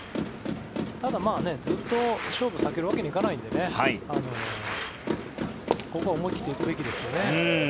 ただずっと勝負を避けるわけにはいかないのでここは思い切っていくべきですよね。